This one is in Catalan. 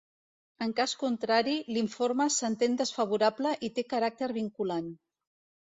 En cas contrari, l'informe s'entén desfavorable i té caràcter vinculant.